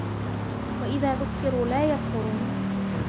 وإذا ذكروا لا يذكرون